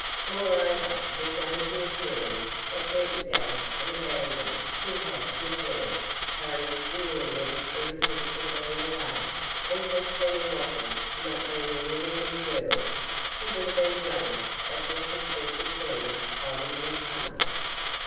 Moreover, her dainty appearance, and a certain dash and abandon she had with her, carried the audience irresistibly away, and had Fanny Wopples not been a really good girl, she would have been jealous of the success achieved by the new comer.